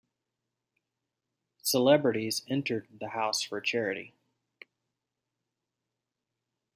Celebrities entered the house for charity.